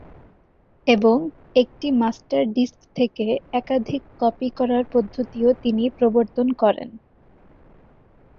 এবং একটি master disc থেকে একাধিক কপি করার পদ্ধতিও তিনি প্রবর্তন করেন।